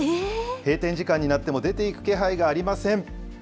閉店時間になっても出ていく気配がありません。